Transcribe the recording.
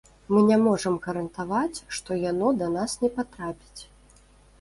Мы не можам гарантаваць, што яно да нас не патрапіць.